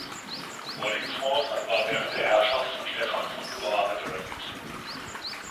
Wallingford war während der Herrschaft von Stephan von Blois bedeutend.